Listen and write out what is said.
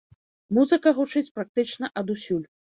Музыка гучыць практычна адусюль.